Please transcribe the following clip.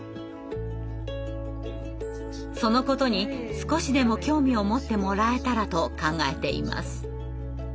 そのことに少しでも興味を持ってもらえたらと考えています。